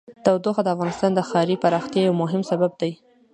تودوخه د افغانستان د ښاري پراختیا یو مهم سبب دی.